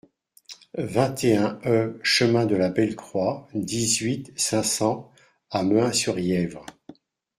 vingt et un E chemin de la Belle Croix, dix-huit, cinq cents à Mehun-sur-Yèvre